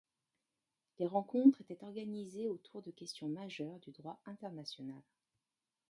Les rencontres étaient organisées autour de questions majeures du droit international.